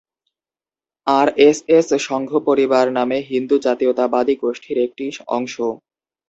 RSS সংঘ পরিবার নামে হিন্দু জাতীয়তাবাদী গোষ্ঠীর একটি অংশ।